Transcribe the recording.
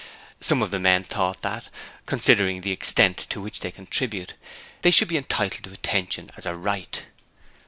Some of the men thought that, considering the extent to which they contributed, they should be entitled to attention as a right.